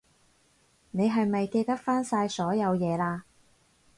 你係咪記得返晒所有嘢喇？